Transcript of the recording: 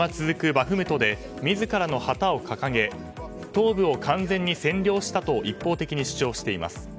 バフムトで自らの旗を掲げ東部を完全に占領したと一方的に主張しています。